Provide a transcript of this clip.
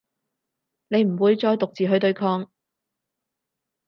你唔會再獨自去對抗